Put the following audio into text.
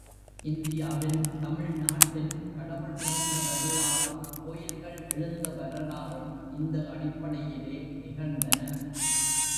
இந்தியாவில் தமிழ் நாட்டில் கடவுள் பிறந்த வரலாறும் கோயில்கள் எழுந்த வரலாறும் இந்த அடிப்படையிலே நிகழ்ந்தன.